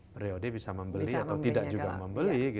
periode bisa membeli atau tidak juga membeli